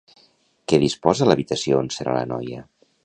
Què disposa l'habitació on serà la noia?